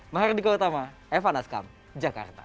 mahardika utama evan askam jakarta